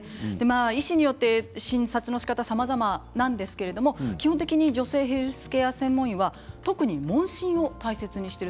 医師によって診察のしかたはさまざまなんですけれど基本的に女性ヘルスケア専門医は特に問診を大切にしている